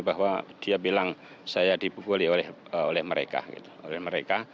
bahwa dia bilang saya dibukuli oleh mereka